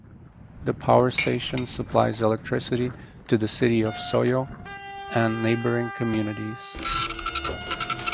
The power station supplies electricity to the city of Soyo and neighboring communities.